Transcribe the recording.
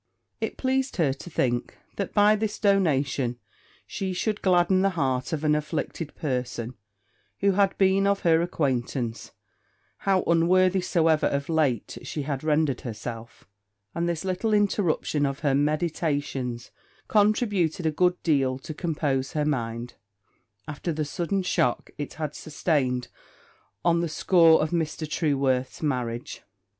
It pleased her to think that, by this donation, she should gladden the heart of an afflicted person, who had been of her acquaintance, how unworthy soever of late she had rendered herself; and this little interruption of her meditations contributed a good deal to compose her mind, after the sudden shock it had sustained on the score of Mr. Trueworth's marriage.